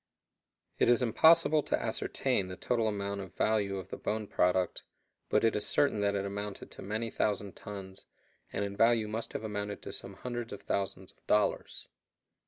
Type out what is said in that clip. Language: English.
It is impossible to ascertain the total amount or value of the bone product, but it is certain that it amounted to many thousand tons, and in value must have amounted to some hundreds of thousands of dollars.